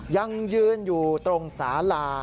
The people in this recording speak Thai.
ยังยืนอยู่ตรงสาลา